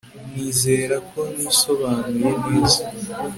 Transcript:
Nizera ko nisobanuye neza